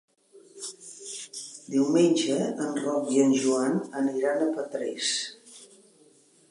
Diumenge en Roc i en Joan aniran a Petrés.